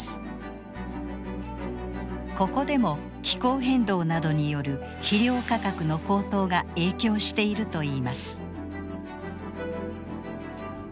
ここでも気候変動などによる肥料価格の高騰が影響しているといいます。